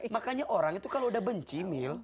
makanya orang itu kalau udah benci mil